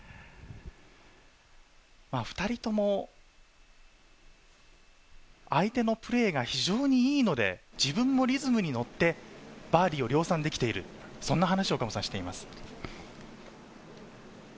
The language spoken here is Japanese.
２人とも、相手のプレーが非常にいいので、自分もリズムに乗ってバーディーを量産できているという話をしています。